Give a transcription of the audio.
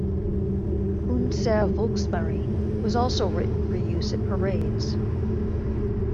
"Unsere Volksmarine" was also written for use at parades.